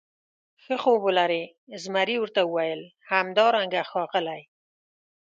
ښه خوب ولرې، زمري ورته وویل: همدارنګه ښاغلی.